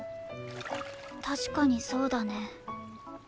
確かにそうだね。